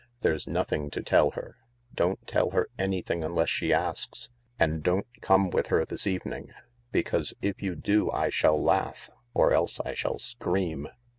" There's nothing to tell her. Don't tell her anything unless she asks. And don't come with her this evening. Because if you do I shall laugh — or else I shall scream."